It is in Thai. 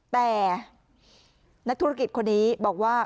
แต่นักธุรกิจคนนี้บอกว่า